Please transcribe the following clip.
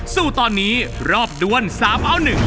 สู้ตอนนี้รอบด้วน๓เอา๑